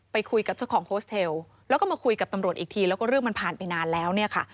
ไปคุยกับเจ้าของโฮสเทลแล้วก็มาคุยกับตำรวจอีกทีแล้วก็เรื่องมันผ่านไปนานแล้วเนี่ยค่ะ